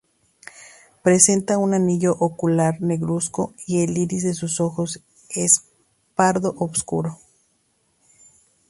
Presenta un anillo ocular negruzco y el iris de sus ojos es pardo oscuro.